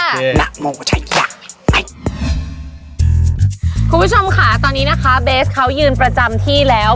คุณผู้ชมค่ะตอนนี้นะคะเบสเขายืนประจำที่แล้ว